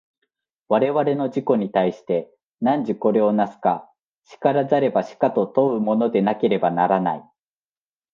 我々の自己に対して、汝これを為すか然らざれば死かと問うものでなければならない。